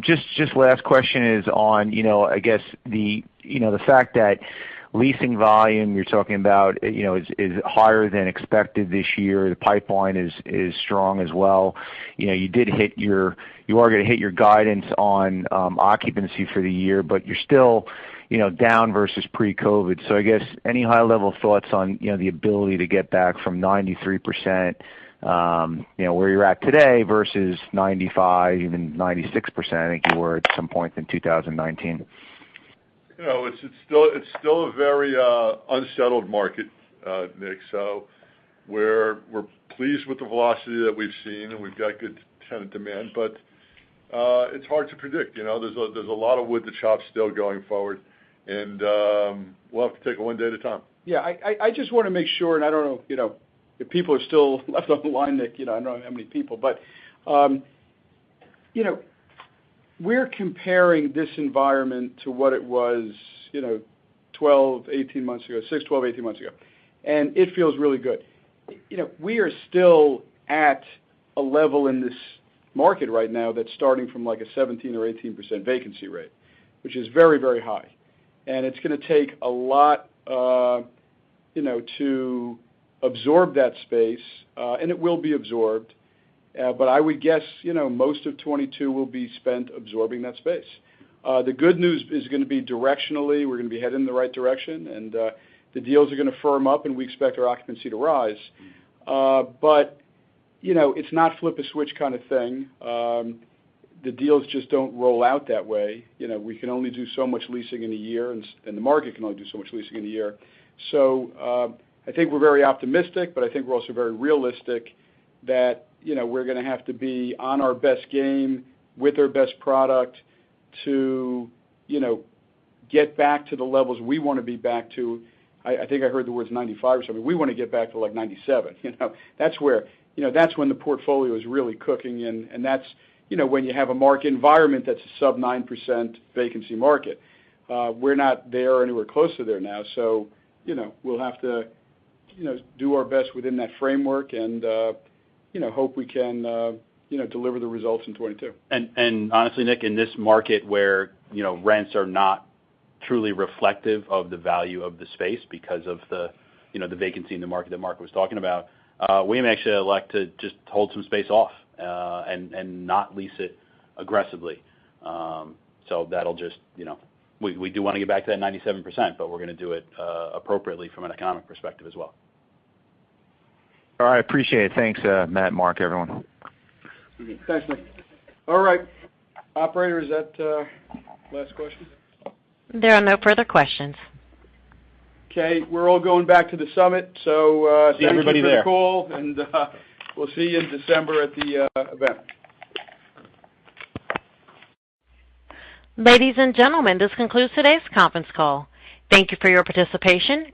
Just last question is on, I guess the fact that leasing volume you're talking about is higher than expected this year. The pipeline is strong as well. You are going to hit your guidance on occupancy for the year, but you're still down versus pre-COVID. I guess any high-level thoughts on the ability to get back from 93%, where you're at today, versus 95%, even 96%. I think you were at some point in 2019. It's still a very unsettled market, Nick. We're pleased with the velocity that we've seen, and we've got good tenant demand. It's hard to predict. There's a lot of wood to chop still going forward, and we'll have to take it one day at a time. I just want to make sure, I don't know if people are still left on the line, Nick. I don't know how many people. We're comparing this environment to what it was 12, 18 months ago, six, 12, 18 months ago. It feels really good. We are still at a level in this market right now that's starting from like a 17% or 18% vacancy rate, which is very, very high. It's going to take a lot to absorb that space. It will be absorbed. I would guess most of 2022 will be spent absorbing that space. The good news is going to be directionally, we're going to be heading in the right direction, and the deals are going to firm up, and we expect our occupancy to rise. It's not flip a switch kind of thing. The deals just don't roll out that way. We can only do so much leasing in a year, and the market can only do so much leasing in a year. I think we're very optimistic, but I think we're also very realistic that we're going to have to be on our best game with our best product to get back to the levels we want to be back to. I think I heard the words 95% or something. We want to get back to like 97%. That's when the portfolio is really cooking, and that's when you have a market environment that's a sub-9% vacancy market. We're not there or anywhere close to there now. We'll have to do our best within that framework and hope we can deliver the results in 2022. Honestly, Nick, in this market where rents are not truly reflective of the value of the space because of the vacancy in the market that Marc was talking about, we may actually elect to just hold some space off, and not lease it aggressively. We do want to get back to that 97%, but we're going to do it appropriately from an economic perspective as well. All right, appreciate it. Thanks, Matt, Marc, everyone. Thanks, Nick. All right. Operator, is that last question? There are no further questions. Okay, we're all going back to the SUMMIT. See everybody there. Thanks for the call, and we'll see you in December at the event. Ladies and gentlemen, this concludes today's conference call. Thank you for your participation.